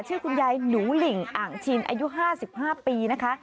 ชื่อคุณยายหนูหลิงอ่างชินอายุห้าสิบห้าปีนะคะ